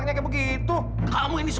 nona mau pergi kemana ya